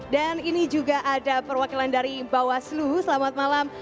dan ini juga ada perwakilan dari bawaslu selamat malam